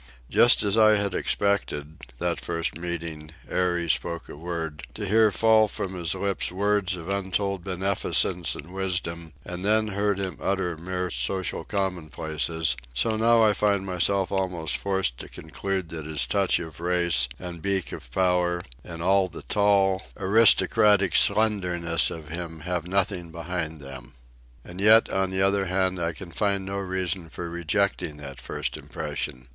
Just as I had expected, that first meeting, ere he spoke a word, to hear fall from his lips words of untold beneficence and wisdom, and then heard him utter mere social commonplaces, so I now find myself almost forced to conclude that his touch of race, and beak of power, and all the tall, aristocratic slenderness of him have nothing behind them. And yet, on the other hand, I can find no reason for rejecting that first impression.